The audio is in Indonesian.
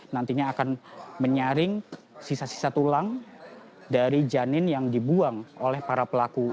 nantinya akan menyaring sisa sisa tulang dari janin yang dibuang oleh para pelaku